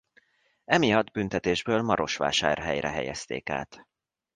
Emiatt büntetésből Marosvásárhelyre helyezték át.